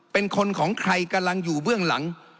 เป็นคนของใครกำลังอยู่เบื้องหลัง